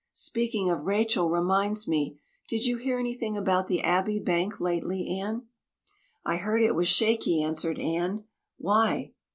Speaking of Rachel reminds me did you hear anything about the Abbey Bank lately, Anne?" "I heard it was shaky," answered Anne. "Why?"